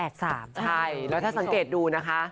ใช่แล้วถ้าสังเกตดูนะคะ